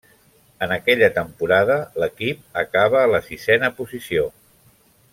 En aquella temporada l'equip acaba a la sisena posició.